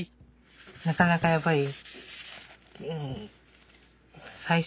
なかなかやっぱり。